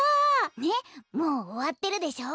ねっもうおわってるでしょ？